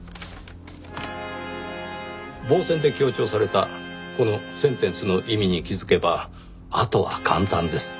傍線で強調されたこのセンテンスの意味に気づけばあとは簡単です。